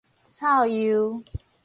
臭鼬